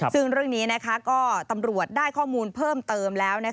ซึ่งเรื่องนี้ก็ตำรวจได้ข้อมูลเพิ่มเติมแล้ว